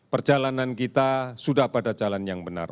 perjalanan kita sudah pada jalan yang benar